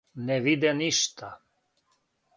Не виде ништа.